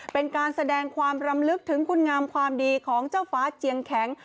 เป็นการแสดงความรำลึกถึงคุณงามความดีของเจ้าฟ้าเจียงแข็ง